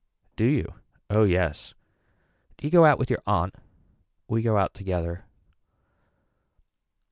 Do you. Oh yes. Do you go out with your aunt. We go out together.